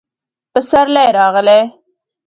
پسرلی راغلی